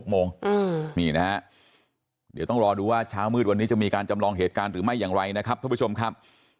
โมงนี่นะฮะเดี๋ยวต้องรอดูว่าเช้ามืดวันนี้จะมีการจำลองเหตุการณ์หรือไม่อย่างไรนะครับท่านผู้ชมครับ